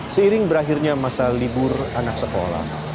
seiring berakhirnya masa libur anak sekolah